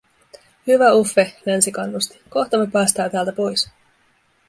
"Hyvä Uffe!", Nancy kannusti, "kohta me päästää täältä pois".